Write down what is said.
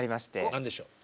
何でしょう？